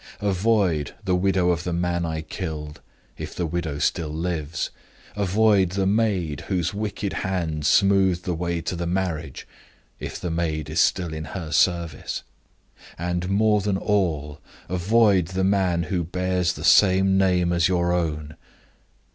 Avoid the widow of the man I killed if the widow still lives. Avoid the maid whose wicked hand smoothed the way to the marriage if the maid is still in her service. And more than all, avoid the man who bears the same name as your own.